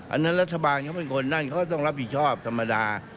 อันนั้นรัฐบาลเขาเป็นคนนั่นเขาก็ต้องรับผิดชอบธรรมดา